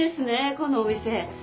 このお店。